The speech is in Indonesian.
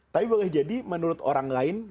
tapi boleh jadi menurut orang lain